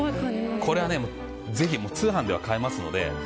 これは、ぜひ通販では買えますので。